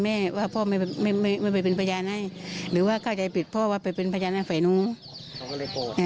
แม่เขาคิดอย่างนั้นว่าพ่อไม่เป็นพยายามให้หรือว่าเข้าใจปิดพ่อว่าเป็นพยายามกาแฟนุง